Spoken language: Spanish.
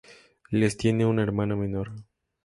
Les tiene una hermana menor.